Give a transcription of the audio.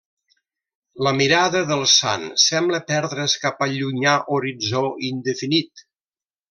La mirada del sant sembla perdre's cap al llunyà horitzó indefinit.